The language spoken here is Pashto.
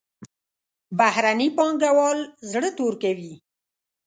بهرني پانګوال زړه تور کوي.